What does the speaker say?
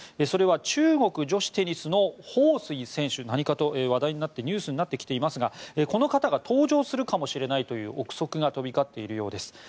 それは中国女子テニスのホウ・スイ選手何かと話題になってニュースになってきていますがこの方が登場するかもしれないという臆測が飛び交っているようです。